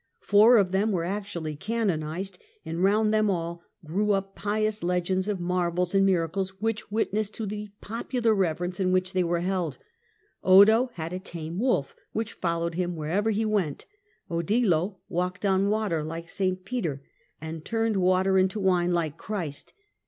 Four of them were actually canonized, and round them all grew up pious legends of marvels and miracles which witness to the popular reverence in which they were held. Odo had a tame wolf, which followed him wherever he went. Odilo walked on the water like St Peter, and turned CLUNY AND MOVEMENTS OF REFORM 57 water into wine like Christ.